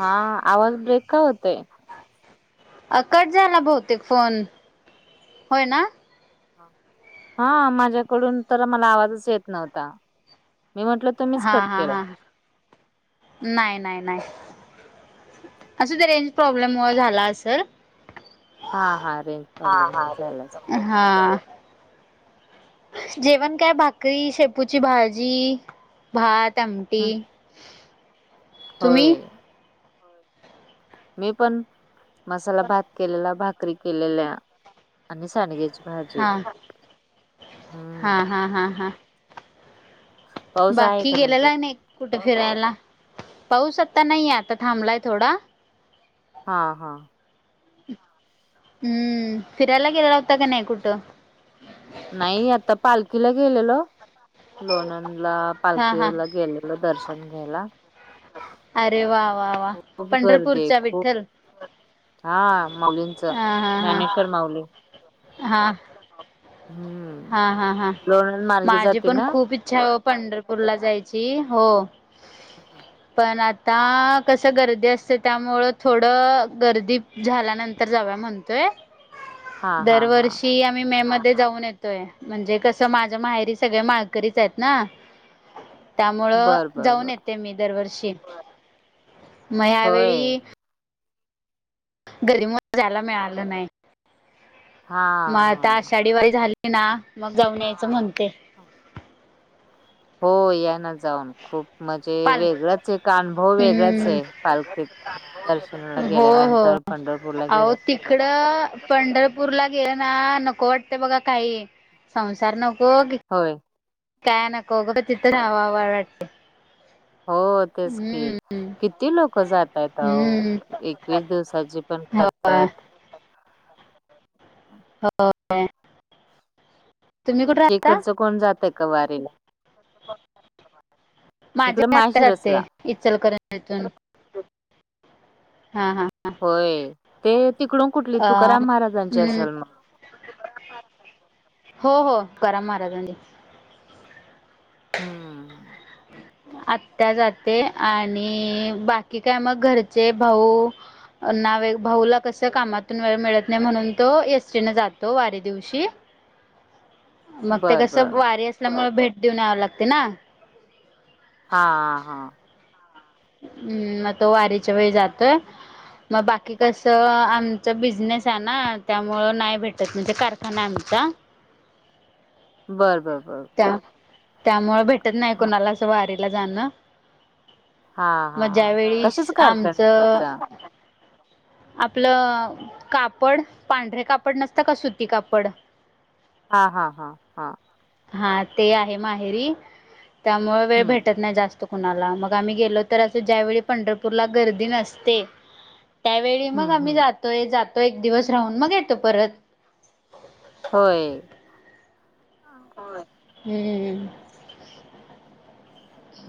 हा आवाज ब्रेक का होतय अ कट झाला बहुतेक फोन होय ना हा माझ्याकडून तर मला आवाजच येत नव्हता मी म्हंटल हा हा हा नाही नाही नाही असुदे रेंज प्रॉब्लेम मुळे झाला असल हा हा रेंज प्रॉब्लेम मुळे झाला अस हा जेवण काय भाकरी शेपूची भाजी भात त आमटी हम्म, तुम्ही होय मी पण मसाला भात केलेला भाकरी केलेल्या आणि सांडगेच हा हा हम्म हा हा हा पाऊस आहे बाकी का गेलेला तुमच्याकडे? नाही कुठे फिरायला पाऊस आता नाहीे आता थांबलाय थोडा हा हा हम्म फिरायला गेला होता का नाही कुठं नाही आता पालखीला गेलेलो लोणंद ला हा हा पालखीला गेल दर्शन घ्यायला अरे वा वा वा खूप गर्दी आहे पंढरपूरच्या खूप विठ्ठल हा माऊलींच हा हा ज्ञानेश्वर माऊली हा हम्म हा हा हा लोणंद मार्गे माझी जाते पण ना. खूप इच्छा आहे ओ पंढरपूरला जायची हो हम हा पण आता कसं गर्दी असतं त्यामुळं थोडं गर्दी झाल्यानंतर जावू या म्हणतोय हां, हां, हां. दरवर्षी आम्ही मे मध्ये जाऊन येतो य म्हणजे कसं माझ्या माहेरी सगळे माळकरीच आहेत ना त्यामुळं बरं, बरं, जाऊन बरं. येते मी दरवर्षी मग होय. यावेेळी गर्दीमुळ जायला मिळालं नाही. मग आता हां. आषाढी वारी झाली ना मग जाऊन यायचं म्हणते हो या ना जाऊन खूप म्हणजे पाल वेगळाच एक अनुभव वेगळाच हम्म आहे पालखीत दर्शनाचा ला गेल्यानंतर पंढरपूर ला आहो तिकडं पंढरपूरला गेलं ना नको वाटत बघा काही संसार नको होय काय नको उगंच नको हो तेच की हम्म. किती लोक जातात आहो हम्म एकवीस दिवसाची पण होय करत्यात [inaudible] तुम्ही कुठे राहता? इकडचं कोण जातय का वारीला इकडे माझी आत्या जाते माळशिरसला. इचलकरंजीतून हा हा. होय ते तिकडून कुठली अ तुकाराम महाराजांची हम्म असल म हो हो तुकाराम महाराज हम्म. आत्या जाते आणि बाकी काय म घरचे भाऊ ना वे भाऊला कसाय कामातून वेळ मिळत नाइ म्हणून तो एसटीने जातो वारी दिवशी म ते बरं, कसं बरं. वारी असल्यामुळे भेट देऊन यावं लागत ना. हा हा. हम्म म तो वारीच्या वेळी जातोय. म बाकी कसं आमचं बिझनेस हाय ना त्यामुळं नाइ भेटत म्हणजे कारखानाय आमचा बर बर बर बर. त्या त्यामुळ भेटत नाइ कोणाला असं वारीला जाणं. हां, म हां. ज्यावेळीस कशाचा आमच कारखाना आहे तुमचा? आपलं कापड पांढरे कापड नसतं का सुती कापड हा हा हा हा. हा ते आहे माहेरी त्यामुळ वेळ हं, भेटत नाइ जास्त कुणाला म आम्ही गेलो तर असं ज्यावेळी पंढरपूरला गर्दी नसते त्यावेळी म हं, आम्ही हं. जातोय जातो एक दिवस राहून मग येतो परत. होय. होय हम्म हम्म हम्म.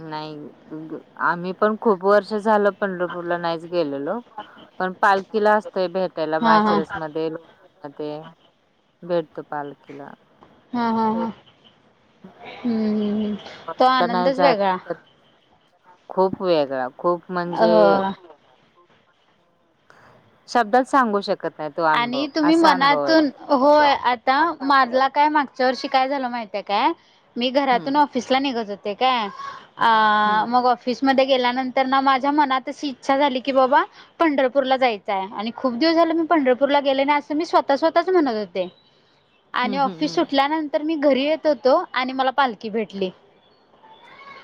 नाही आम्ही पण खूप वर्ष झालं पंढरपूरला नाहीच गेलेलो. पण पालखीला असतोय भेटायला हा हा माळशिरस मध्ये [unintelligible] भेटतो पालखिला. हा हा हा हं. हम्म हम्म तो लोणंदला नाही आनंदच जात ना, वेगळा. तर खूप वेगळा खूप म्हणजे हो शब्दात सांगू शकत नाही तो अनुभव आणि तुम्ही असा अनुभव हाय तो. मनातून होय आता माझला काय मागच्या वर्षी काय झालं माहितीये काय मी हं, घरातून ऑफिसला निघत होते काय अ हं. मग ऑ फिसमध्ये गेल्यानंतर ना माझ्या मनात अशी इच्छा झाली की बाबा पंढरपूरला जायचाय आणि खूप दिवस झालं पंढरपूरला गेली नाही अस मी स्वताः स्वताःच म्हणत होते हं, आणि हं, ऑफिस हं. सुटल्यानंत तर मी घरी येत होतो आणि मला पालखी भेटली.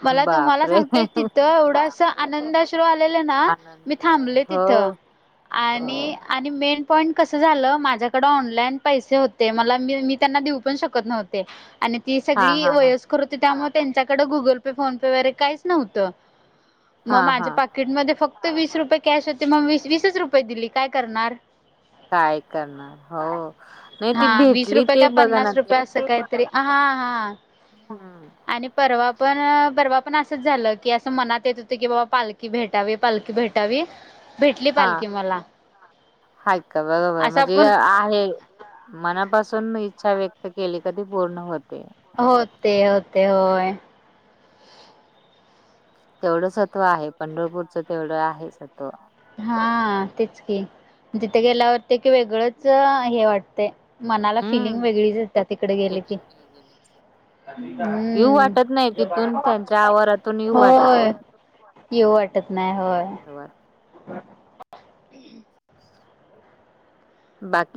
मला तुम्हाला बापरे! सांगते तिथ एवढा आनंद आ श्रू आलेले ना मी आनंद थांबले तिथं हो. आणि हो आणि मेन पण कस झालं माझ्याकड ऑनलाईन पैसे होते मला मी मी त्यांना देऊ पण शकत नव्हते. आणि ती हां, सगळी हां, हां, वयस्कर होती त्यामुळे त्यांच्याकडं गुगल पे फोन पे वगरे काहीच नव्हतं. म हां, माझ्या हां पाकिटमध्ये फक्त वीस रुपये कॅश होते म वीस वीसच रुपयेच दिले काय करणार. काय करणार हो नाइ ती हा भेटली ते बघा ना ते तरी हा हा हम्म. आणि परवा पण परवा पण असंच झालं की असं मनात येत होत की बाबा पालखी भेटावी पालखी भेटावी. भेटली हां पालखी मला. हाय का,, बरोबर, असं म्हणजे आपण आहे. मनापासून इच्छा व्यक्त केली का ती पूर्ण होते. होते, होते, होय. तेवढं सत्व आहे पंढरपूरचं, तेवढं आहे सत्व. हा तेच की, तिथे गेल्यावरती, की वेगळंच हे वाटतंय. मनाला फिलिंग हम्म. वेगळीच एत्या, तिकडे गेले की. येऊ हम्म,, वाटत नाही तिथून त्यांच्या आवारातून येऊ वाटत होय. नाही. येऊ वाटत नाही, होय. देवा. ह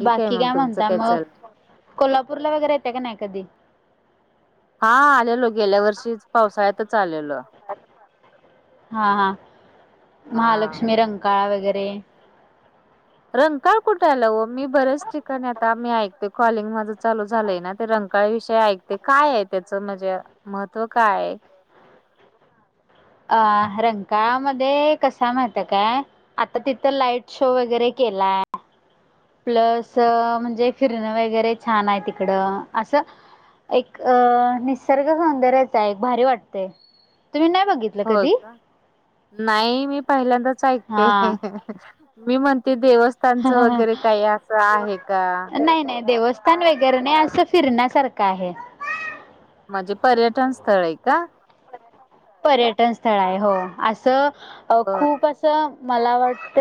बाकी काय म्हणताय मग, कोल्हापूरला वगैरे येते का नाही कधी? हा, आलेलो गेल्या वर्षी, पावसाळ्यातच आलेलो. हा, हा, हा महालक्ष्मी, रंकाळा वगैरे. रंकाळ कुठेयाला हो, मी बऱ्याच ठिकाणी, आता मी ऐकते, कॉलिंग माझं चाल झालंय ना, ते रऽ ळ्या विषय ऐकते, काय त्याचं म्हणजे महत्त्व काय? अ, रंकामध्येध्ये कस आय माहितीय काय,, आता तिथं लाईट शो वगैरे केलाय. प्लस म्हणजे, फिरणं वगैरे छान आहे तिकडं, असंऽ एक अ निसर्ग सौंदर्याचं आ, हे एक भारी वाटतेय. तुम्ही नाही बघितला? होय का, नाही मी पहिल्यांदाच ऐकते. हा मी म्हणते देवस्थानच वगैरे काही असं आहे का नाही नाही देवस् ण वगैरे नाही असं फिरण्यासारखं आहे म्हणजे पर्यटन स्थळ आहे का पर्यटन स्थळ आहे हो असं बर खूप मला वाटत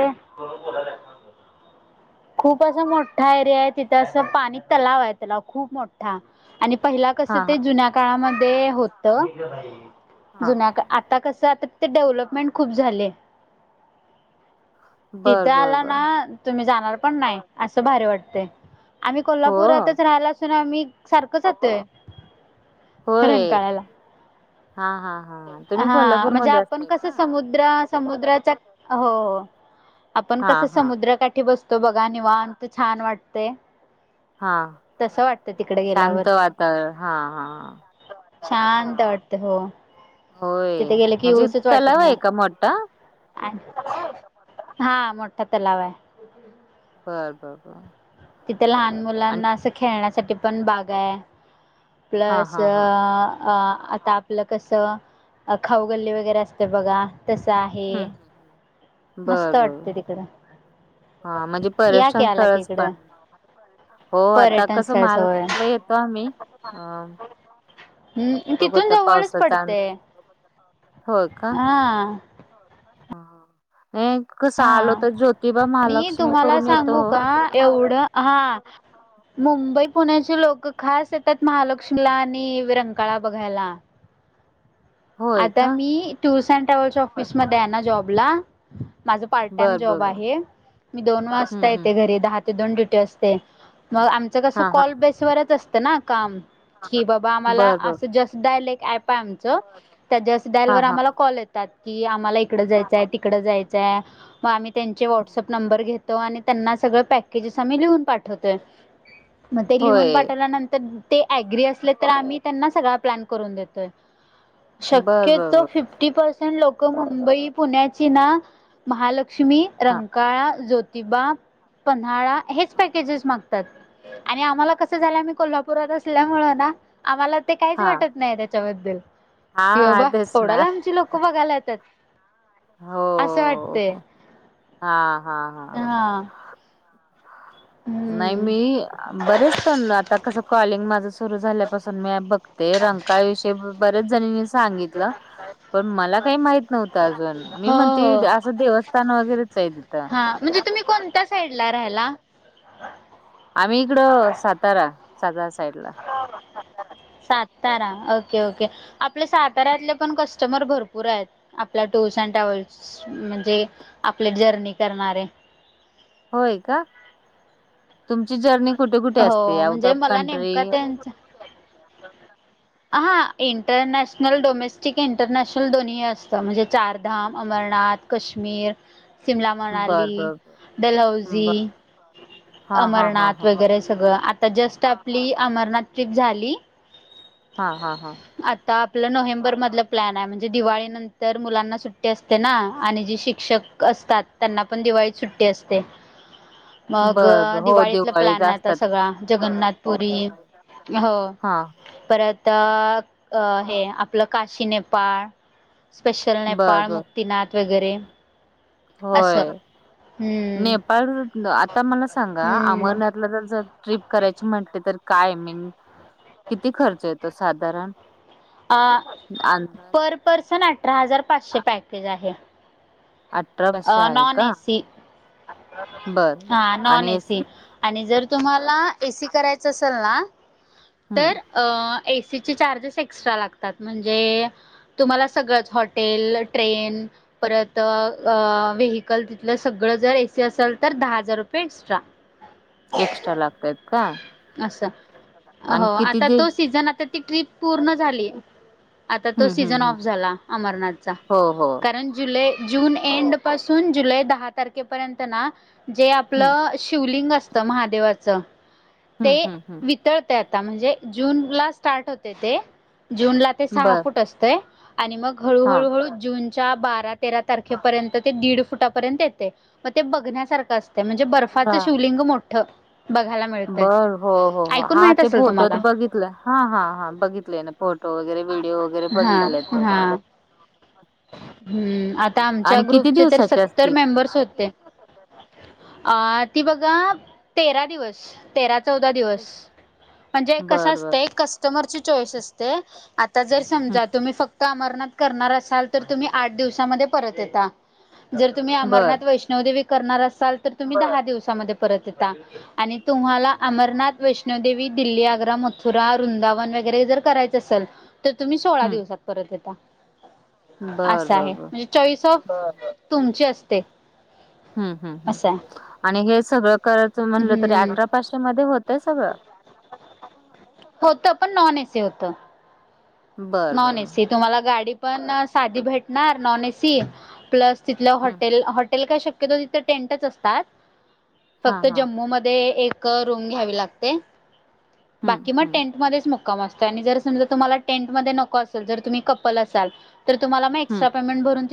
खूप असं मोठा एरिया आहे तिथं असं पाणी तलाव आहे त्याला खूप मोठ हा आणि पहिला कस हा ते हा जुन्या काळामध्ये होत हा जुन्या का आता कसं, आता तिथ डेव्हलपमेंट खूप झालेय. बर तिथे बर आला बर ना तुम्ही जाणार पण नाही असं भारी वाटते आम्ही हो कोल्हापुरातच राहायला ून आ मही सारखंचातय होय रंगकाळाला हा हा हा तुम्ही हा म्हणजे कोल्हापूरमध्ये आपण असताय कस का समुद समुद्रा हो आपण हा कस हा समुद्राकाठी बसो तो बघा निवांत तर छान वाटते हा तिकडे गेल्यावर शांत वातावरण हा हा ह शांत वाटते हो होय तिथे गेले की म्हणजे यूसच वाटत तलाव आहे नाही का मोठा आणि हा मोठा तलाव आहे बर बर बर तिथे लहान आणि मुलांना असं खेळण्यासाठी पण बाग आहे हा प्लस हा अ हा आता आपलं कसं खाऊगल्ली वगैरे असतें बघा तसं आहे हम्म हम्म बर मस्त बर वाटते तिकडं हा म्हणजे या की पर्यशन आला की स्थळच ब इकडं हो, आता पर्यटन कसं स्थळच होय महालक्ष्मीला येतो आम्ही अ हम्म! बघू तिथून आता जवळच पावसाचा अंदाज पडतय, होय का हा. हा, कसं हा आलो तर ज्योतिबा, आणि महालक्ष्मी तुम्हाला करून येतो. सांगू का एवढं हा मुंबई पुण्याचे लोक खास येतात, महालक्ष्मीला, आणि रंकाळा बघायला. होय आता का मी टूअर्स, अँड ट्रॅव्हल्स, ऑफिसमध्ये आहे ना जॉबला माझ पार्ट टाइम बर बर जॉब बर आहे, मी दोन वाजता हम्म हम्म येते घरी दहा दोन ड्युटी असते, मग आमच कस हा हा कॉल बेस वच असतं ना काम, कि बा आम्हाला बर बर बर. जस्ट डायलॉग आहे आमच, त्या जस्ट डायल हा वर हा आम्हाला कॉल येतो त की, आम्हाला इकडं जायचंय आहे, तिकडं जायचंय. मग आम्ही त्यांचे हा व्हॉट्सअप नंबर घेतो, आणि त्यांना सगळं पॅकेस आम्ही लिहून पाठवतोय. [inaudible] मग ते लिहून होय पाठवल्यानंतर, ते अग्री असले तर आम्ही त्यांना सगळा प्लॅन करून देतोय. बर बर शक्यतो बर फिफ्टी पर्सेंट लोक मुंबई पुण्याची ना महालक्ष्मी, हा रंकाळा, ज्योतिबा, पन्हाळा, हेच हा पॅकेजेस मागत आणि आम्हाला कस झालं, आम्ही कोल्हापुरात असल्यामुळ ना आम्हाला ते काहीच हा वाटत नाही त्याच्याबद्दल. किंवा हा बाबा तेच एवढ्या ना लांबची लोक बघायला यत्यात. हो असं वाटतय, हो हा हा हा. नाही हम्म मी बरेच तण आता कसं, कॉलिंग माझं सुरू झाल्यापासून मी बघते, रं काळविषयी बऱ्याच जनीनी सांगितलं पण मला काही माहित नव्हतं अजून, मी हो म्हणते हो असं देवस्थान वगैरेच आहे तिथं. हा म्हणजे तुम्ही कोणत्या साईडला राहायला? आम्ही इकड सातारा, सातारा साईडला. सातारा, ओके ओके, आपले साताऱ्यातले पण कस्टमर भरपूर आहेत. आपल्या टूर्स अँड ट्रॅव्हल्स म्हणजे आपले जर्नी करणारे. होय का? तुमची जर्नी कुठे कुठे असते? हो आउट म्हणजे ऑफ मला कंट्री नेमका [inaudible] हां, इंटरनॅशनल डोमेस्टिक इंटरनॅशनल दोन्ही असतं, म्हणजे चारधाम, अमरनाथ. कश्मीर, शिमला बर मनाली, बर बर दलहौसी बर हा हा हा अमरनाथ हा वगैरे सगळं, आता जस्ट आपली अमरनाथ ट्रिप झाली. हा हा हा. आता आपलं नोव्हेंबर मधलं प्लॅन आहे, म्हणजे दिवाळी नंतर मुलांना सुट्टी असते. ना, आणि जी शिक्षक असतात, त्यांना पण दिवाळी सुट्टी असते. [inaudible] मग बर हो दिवाळीतला दिवाळीत प्लॅन आता असतात सगळा, जगन्नाथपुरी, हो. हा परत, आपलं हे काशी नेपाळ स्पेशल बर नेपाळ, बर मुक्तीिनाथ वगैरे होय, असं हम्म नेपाळ आता मला सांगा हम्म अमरनाथ आप जर ट्रिप करायची म्हटले तर काय मीन किती खर्च येतो साधारण? अ अंदाज पर पर्सन अठरा हजार पाचशे पॅकेज आहे. अठरा पाशे अ आहे नॉन ए. का सी, बर हम नॉन आणि ए. AC C. आणि जर तुम्हाला ए सी करायचं असेल ना हम्म तर अ एसीचे चार्जेस एक्स्ट्रा लागतात म्हणजे तुम्हाला सगळंच हॉटेल, ट्रेन परत अ व्हेहिकल तिथलं सगळं जर एसी असेल तर दहा हजार रुपये एक्स्ट्रा एक्स्ट्रा लागतयत का असं हो आता दे तो सीझन आता ती ट्रिप पूर्ण झाली आता तो हम्म सीझन हम्म ऑफ हम्म झाला अमरनाथचा हो हो कारण जुलै, जून एंड पासून जुलै दहा तारखेपर्यंत ना जे हम्म आपलं शिवलिंग अस त महादेवाच ते हम्म हम्म हम्म वितळ आता म्हणजे जूनला स्टार्ट होते ते जूनला ते सहा बर फूट असतय आणि मग हळू, हा हळू, हळू जूनच्या बारा तेरा तारखे पर्यंत ते दीड फुटापर्यंत येते मग ते बघण्यासारखं अस म्हणजे वा बर्फाच शिवलिंग मोठं बघायला मिळतय बर हो, हो, हो ऐकून हा माहित ते असेल फोटोत तुम्हाला बघितलं हा, हा, हां बघितलं ना फोट फोटो वगैरे व्हिडिओ वगैरे हा बघितले ते हा हम्म आता आमच्या आणि किती ग्रुपचे तर दिवसाचे सत्तर असतील मेंबर्स होते अ ती बघा तेरा दिवस तेरा चौदा दिवस म्हणजे कस बर बर असतय कस्टमर ची चॉईस असते आता जर समजा हम्म तुम्ही फक्त अमरनाथ करणार असाल तर तुम्ही आठ दिवसामध्ये परत येता जर तुम्ही बर अमरनाथ वैष्णवदेवी करणार असाल तर तुम्ही दहा दिवसामध्ये परत येता आणि तुम्हाला अमरनाथ वैष्णोदेवी, दिल्ली, आग्रा, मथुरा, वृंदावन वगैरे जर करायच सल तर तुम्ही सोळा हम्म दिवसात परत येता बर असं बर आहे बर चॉईस ऑफ हम्म तुमची असते हम्, हम् असं आहे आणि हे सगळं करायचं म्हटलं तरी हम्म अठरा पाचशे मध्ये होतय सगळं होत पण नॉन एसी होत बर नॉन बर एसी तुम्हाला गाडी पण साधी भेटणार नॉन एसी प्लस तिथलं हम्म हॉटेल, हॉटेल काय शक्यतो तिथं टेंटच असतात हा फक्त हा जम्मू मध्ये एक रूम घ्यावी लागते हम्म बाकी मग हम्म टेंटमध्येच मुक्म असतो आणि जर समजा तुम्हाला टेंट मध्ये नको असेल जर तुम्ही कपल असाल तर तुम्हाला हम्म एक्सट्रा पेमेन्ट भरून